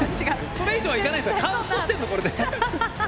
それ以上はいかないんすか？